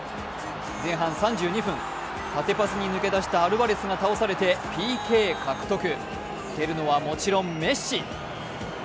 前半３２分、縦パスに抜け出したアルバレスが倒されて蹴るのはもちろんメッシ。